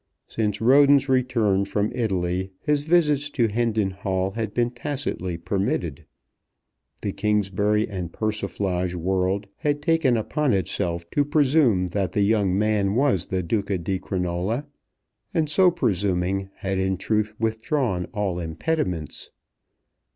Since Roden's return from Italy his visits to Hendon Hall had been tacitly permitted. The Kingsbury and Persiflage world had taken upon itself to presume that the young man was the Duca di Crinola, and, so presuming, had in truth withdrawn all impediments.